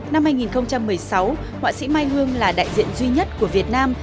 năm hai nghìn một mươi sáu họa sĩ mai hương là đại diện duy nhất của việt nam